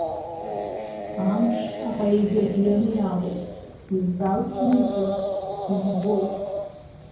Амш апоезиа ӡҩаны иалоуп иззалхуа изы, избоит.